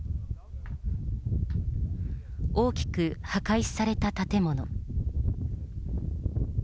大きく破壊された建物。